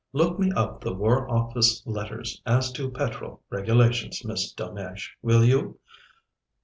Look me up the War Office letters as to Petrol regulations, Miss Delmege, will you?